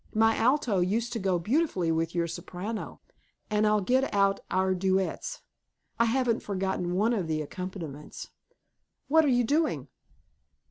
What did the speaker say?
My alto used to go beautifully with your soprano, and I'll get out our duets. I haven't forgotten one of the accompaniments What are you doing?"